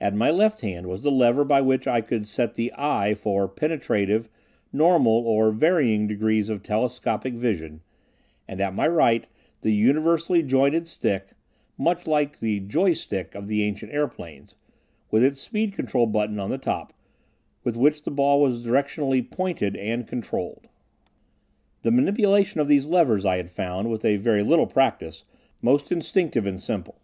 At my left hand was the lever by which I could set the "eye" for penetrative, normal or varying degrees of telescopic vision, and at my right the universally jointed stick (much like the "joy stick" of the ancient airplanes) with its speed control button on the top, with which the ball was directionally "pointed" and controlled. The manipulation of these levers I had found, with a very little practice, most instinctive and simple.